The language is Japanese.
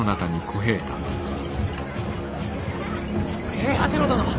平八郎殿！